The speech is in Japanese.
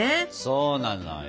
そうなのよ